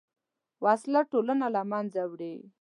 وسله ټولنه له منځه وړي